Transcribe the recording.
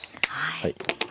はい。